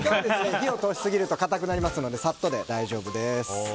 火を通しすぎると硬くなるのでサッとで大丈夫です。